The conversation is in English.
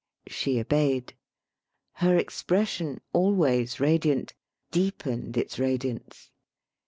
She obeyed. Her expres sion, always radiant, deepened its radiance.